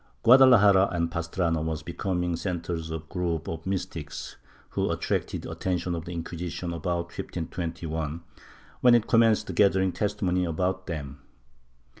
^ Guadalajara and Pastrana were becoming centres of a group of mystics who attracted the attention of the Inquisition about 1521, when it commenced gathering testimony about them.